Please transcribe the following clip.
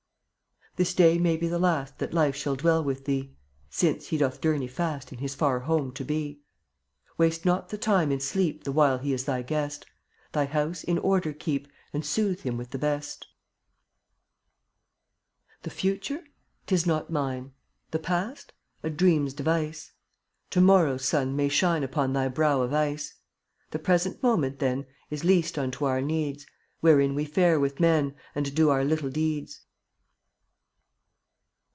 This day may be the last That Life shall dwell with thee, Since he doth journey fast In his far home to be. Waste not the time in sleep The while he is thy guest; Thy house in order keep And soothe him with the best. e\m$ ft\\H/%Y ^he f uture ? Tis not mine; ^ The past? A dream's device. ^JvC/ To morrow's sun may shine Upon thy brow of ice. The present moment, then, Is leased unto our needs, Wherein we fare with men And do our little deeds.